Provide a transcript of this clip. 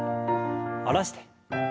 下ろして。